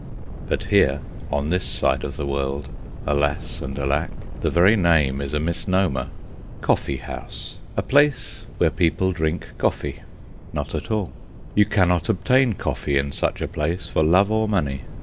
But here, on this side of the world, alas and alack, the very name is a misnomer. Coffee house: a place where people drink coffee. Not at all. You cannot obtain coffee in such a place for love or money.